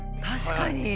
確かに！